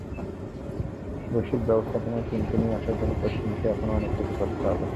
বৈশ্বিক ব্যবস্থাপনায় চীনকে নিয়ে আসার জন্য পশ্চিমকে এখনো অনেক কিছু করতে হবে।